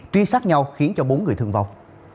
truy sát nhau khiến bốn người thương vong